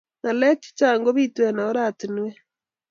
Ng'aleek chechang' kobitu eng oratinweek.